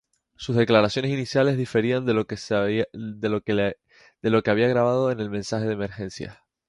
Sus declaraciones iniciales diferían de lo que había grabado en el mensaje a emergencias.